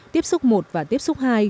tiếp xúc một và tiếp xúc hai